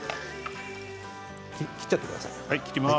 切っちゃってください。